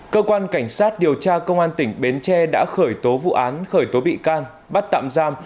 cơ quan cảnh sát điều tra công an tỉnh bến tre đã khởi tố vụ án khởi tố bị can bắt tạm giam